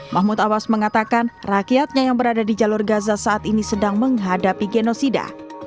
mahmud abbas mengatakan rakyatnya yang berada di jalur gaza saat ini sedang menghadapi genosida